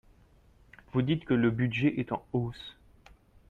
Vous dites que le budget est en hausse.